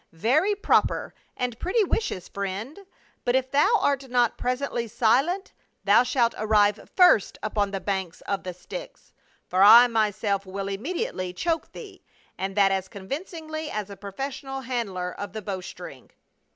"Very proper and pretty wishes, friend; but if thou art not presently silent, thou shalt arrive first upon the banks of the Styx, for I myself will immediately choke thee, and that as convincingly as a professional handler of the bow string."